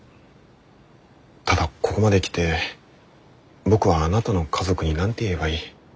ただここまで来て僕はあなたの家族に何て言えばいい？